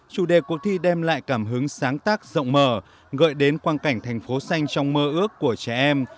chủ đề cuộc thi đem lại cảm hứng sáng tác rộng mở gợi đến quan cảnh thành phố xanh trong mơ ước của trẻ em